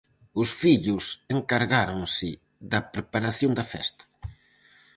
Os fillos encargáronse da preparación da festa.